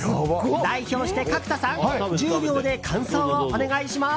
代表して、角田さん１０秒で感想をお願いします。